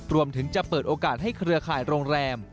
รวมถึงจะเปิดโอกาสให้เครือข่ายโรงแรม